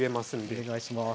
お願いします。